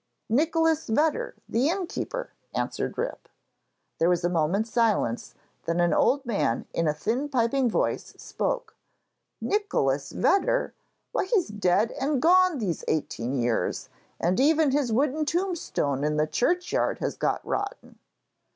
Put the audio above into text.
'Nicholas Vedder, the innkeeper,' answered Rip. There was a moment's silence; then an old man, in a thin piping voice, spoke. 'Nicholas Vedder? Why, he's dead and gone these eighteen years; and even his wooden tombstone in the churchyard has got rotten.'